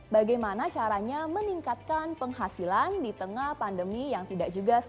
bagaimana caranya meningkatkan penghasilan di tengah pandemi yang tidak juga